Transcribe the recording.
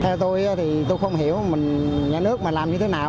theo tôi thì tôi không hiểu mình nhà nước mà làm như thế nào